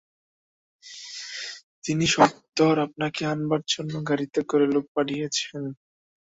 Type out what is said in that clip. তিনি সত্বর আপনাকে আনবার জন্যে গাড়িতে করে লোক পাঠিয়েছেন।